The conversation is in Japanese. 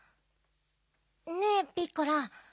ねえピッコラ。